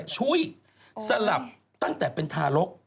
ช่วยสลับตั้งแต่เป็นทารก